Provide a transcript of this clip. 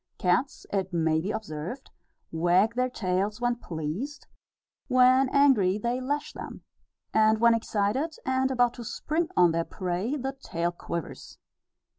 Cats, it may be observed, wag their tails when pleased; when angry, they lash them; and, when excited, and about to spring on their prey, the tail quivers.